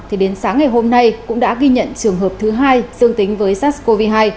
thì đến sáng ngày hôm nay cũng đã ghi nhận trường hợp thứ hai dương tính với sars cov hai